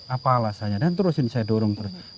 apa alasannya dan terusin saya dorong terus